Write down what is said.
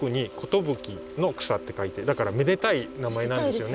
めでたい名前なんですよね。